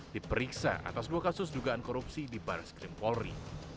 diperiksa atas dua kasus dugaan korupsi di baris krim polri